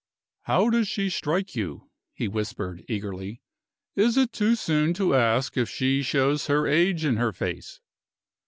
"How does she strike you?" he whispered, eagerly. "Is it too soon to ask if she shows her age in her face?"